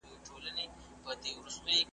شپه په اوښکو لمبومه پروانې چي هېر مي نه کې `